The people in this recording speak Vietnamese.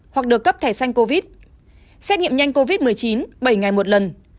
hoặc được cấp thẻ xanh covid xét nghiệm nhanh covid một mươi chín bảy ngày một lần